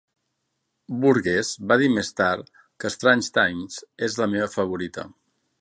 Burgess va dir més tard que "Strange Times" és la meva favorita.